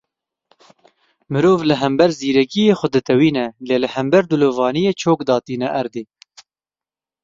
Mirov li hember zîrekiyê xwe ditewîne lê li hember dilovaniyê çok datîne erdê.